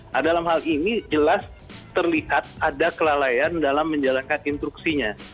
nah dalam hal ini jelas terlihat ada kelalaian dalam menjalankan instruksinya